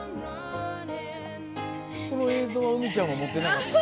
この映像はウミちゃんは持ってなかったの？